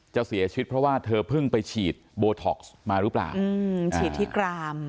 เสียชีวิตเพราะว่าเธอเพิ่งไปฉีดโบท็อกซ์มาหรือเปล่าฉีดที่กราม